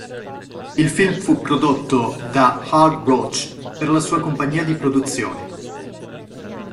Il film fu prodotto da Hal Roach per la sua compagnia di produzione.